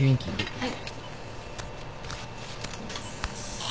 はい。